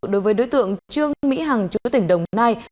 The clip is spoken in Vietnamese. đối với đối tượng trương mỹ hằng chủ tỉnh đồng nai